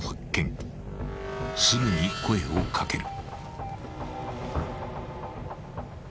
［すぐに声を掛ける］